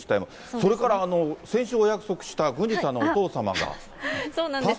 それから、先週お約束した郡司さんのお父様が。